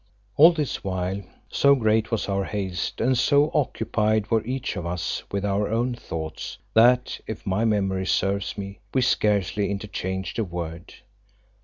All this while, so great was our haste and so occupied were each of us with our own thoughts that, if my memory serves me, we scarcely interchanged a word.